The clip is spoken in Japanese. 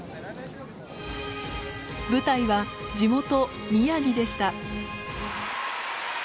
舞台は地元宮城でした。